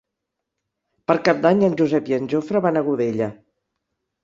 Per Cap d'Any en Josep i en Jofre van a Godella.